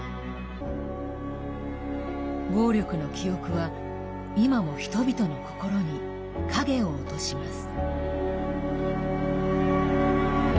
暴力の記憶は、今も人々の心に影を落とします。